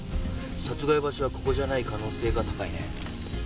殺害場所はここじゃない可能性が高いね。